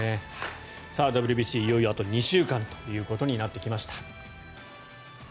ＷＢＣ、いよいよあと２週間となってきました。